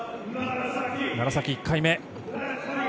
楢崎、１回目。